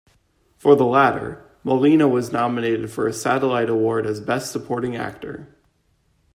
For the latter, Molina was nominated for a Satellite award as Best Supporting Actor.